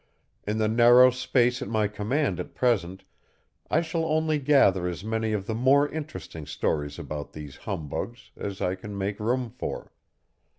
In the narrow space at my command at present, I shall only gather as many of the more interesting stories about these humbugs, as I can make room for.